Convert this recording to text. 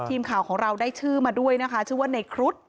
ทีมข่าวของเราได้ชื่อมาด้วยนะคะชื่อว่าในครุฑ